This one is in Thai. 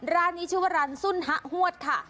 ร้านนี้ชื่อว่าร้านสุ่นฮะหวดค่ะ